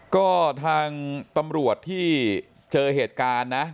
ก็ทางตำรวจที่เจอเหตุการณ์นะ